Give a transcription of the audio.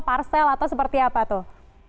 parsel atau seperti apa tuh